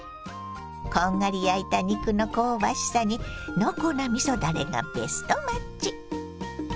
こんがり焼いた肉の香ばしさに濃厚なみそだれがベストマッチ。